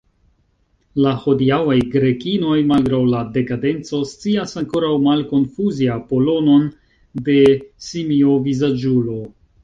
La hodiaŭaj Grekinoj, malgraŭ la dekadenco, scias ankoraŭ malkonfuzi Apollon'on de simiovizaĝulo.